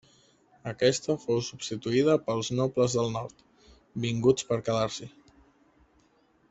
Aquesta fou substituïda pels nobles del Nord, vinguts per quedar-s'hi.